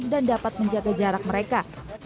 dan dapat menjaga jarak mereka